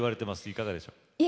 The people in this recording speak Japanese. いかがでしょう？